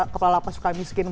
kepala lapas suka miskin